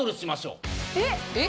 えっ！